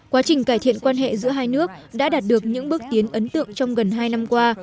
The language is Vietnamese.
quá trình cải thiện quan hệ giữa hai nước đã đạt được những bước tiến ấn tượng trong gần hai năm qua